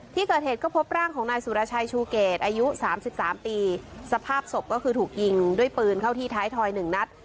ที่เกิดเหตุก็พบร่างของนายสุรชัยชูเกตอายุสามสิบสามปีสภาพศพก็คือถูกยิงด้วยปืนเข้าที่ท้ายทอย๑นัด